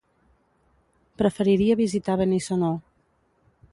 Preferiria visitar Benissanó.